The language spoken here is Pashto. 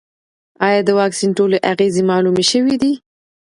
ایا د واکسین ټولې اغېزې معلومې شوې دي؟